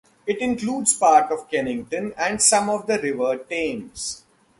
It includes part of Kennington and some of the River Thames.